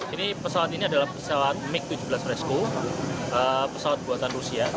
ini pesawat ini adalah pesawat mig tujuh belas resco pesawat buatan rusia